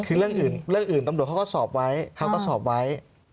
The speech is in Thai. คือเรื่องอื่นตำรวจเขาก็สอบไว้